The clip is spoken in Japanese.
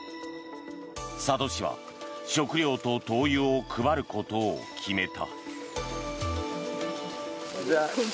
佐渡市は食料と灯油を配ることを決めた。